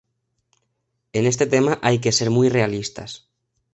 En este tema hay que ser muy realistas.